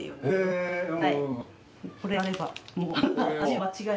はい。